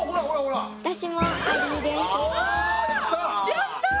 やった！